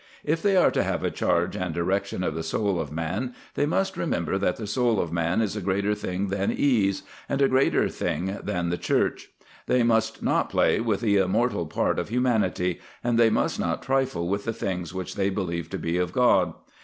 If they are to have charge and direction of the soul of man, they must remember that the soul of man is a greater thing than ease, and a greater thing than the Church; they must not play with the immortal part of humanity, and they must not trifle with the things which they believe to be of God.